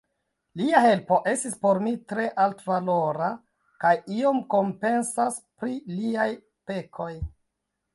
Lia helpo estis por mi tre altvalora, kaj iom kompensas pri liaj pekoj.